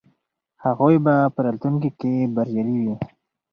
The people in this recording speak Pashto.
هغوی به په راتلونکي کې بریالي وي.